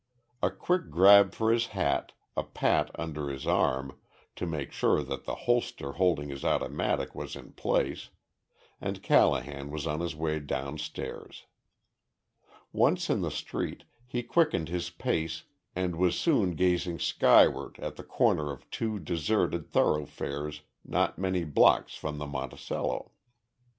A quick grab for his hat, a pat under his arm, to make sure that the holster holding the automatic was in place, and Callahan was on his way downstairs. Once in the street, he quickened his pace and was soon gazing skyward at the corner of two deserted thoroughfares not many blocks from the Monticello.